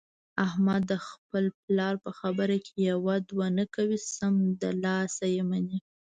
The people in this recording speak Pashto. احمد د خپل پلار په خبره کې یوه دوه نه کوي، سمدلاسه یې مني.